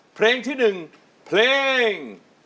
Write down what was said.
เพลงที่หนึ่งเพลง